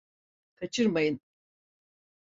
Kaçırmayın!